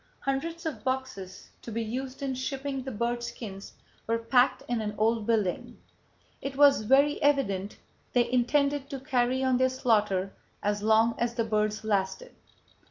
Hundreds of boxes to be used in shipping the bird skins were packed in an old building. It was very evident they intended to carry on their slaughter as long as the birds lasted.